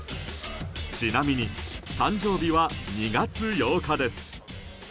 ちなみに誕生日は２月８日です。